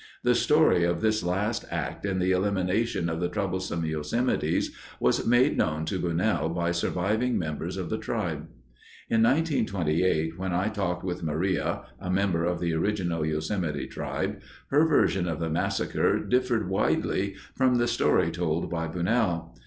The story of this last act in the elimination of the troublesome Yosemites was made known to Bunnell by surviving members of the tribe. In 1928, when I talked with Maria, a member of the original Yosemite tribe, her version of the massacre differed widely from the story told by Bunnell.